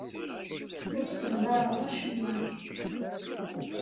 Ur ssemɣareɣ acemma.